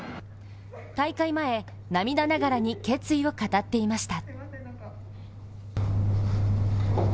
大会前、涙ながらに決意を語っていました。